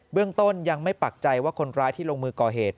เรื่องต้นยังไม่ปักใจว่าคนร้ายที่ลงมือก่อเหตุ